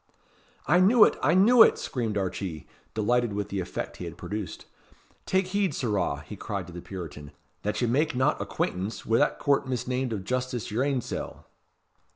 "I knew it! I knew it!" screamed Archee, delighted with the effect he had produced. "Take heed, sirrah," he cried to the Puritan, "that ye make not acquaintance wi' 'that Court misnamed of justice' yer ain sell."